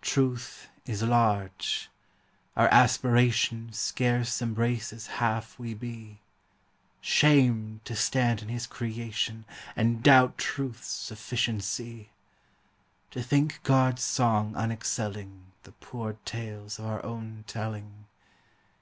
Truth is large. Our aspiration Scarce embraces half we be. Shame ! to stand in His creation And doubt Truth's sufficiency! To think God's song unexcelling The poor tales of our own telling.